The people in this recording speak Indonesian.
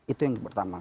itu yang pertama